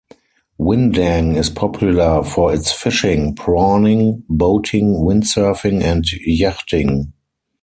Windang is popular for its fishing, prawning, boating, windsurfing and yachting.